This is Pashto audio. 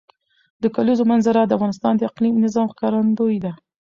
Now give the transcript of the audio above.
د کلیزو منظره د افغانستان د اقلیمي نظام ښکارندوی ده.